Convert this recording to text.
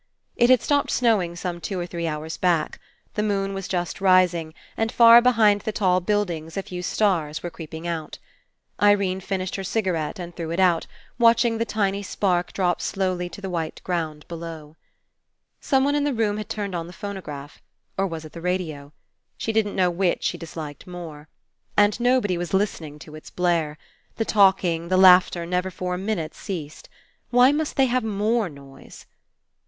It had stopped snowing some two or three hours back. The moon was just rising, and far behind the tall buildings a few stars were creeping out. Irene finished her cigarette and 206 FINALE threw It out, watching the tiny spark drop slowly down to the white ground below. Someone in the room had turned on the phonograph. Or was it the radio? She didn't know which she disliked more. And nobody was listening to its blare. The talking, the laughter never for a minute ceased. Why must they have more noise?